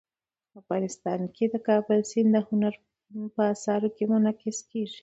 افغانستان کې د کابل سیند د هنر په اثار کې منعکس کېږي.